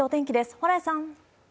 蓬莱さん。